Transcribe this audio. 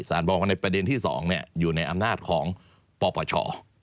บอกว่าในประเด็นที่๒อยู่ในอำนาจของปปช